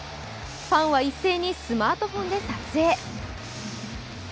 ファンは一斉にスマートフォンで撮影。